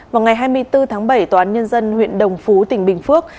vào ngày hai mươi bốn tháng bảy tòa án nhân dân huyện đồng phú tỉnh bình phước